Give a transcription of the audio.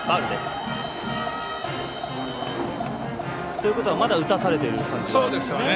ということはまだ打たされているっていう感じですか？